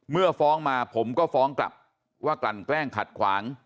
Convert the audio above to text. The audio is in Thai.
เมื่อฟ้องมาผมก็ฟ้องกลับว่ากลั่นแกล้งขัดขวาง